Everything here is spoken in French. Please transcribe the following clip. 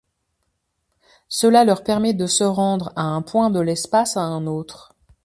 Cela leur permet de se rendre à un point de l'espace à un autre.